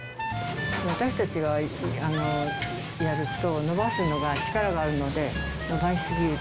私たちがやると伸ばすのが力があるので、伸ばし過ぎると。